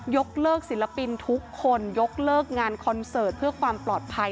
ยกเลิกศิลปินทุกคนยกเลิกงานคอนเสิร์ตเพื่อความปลอดภัย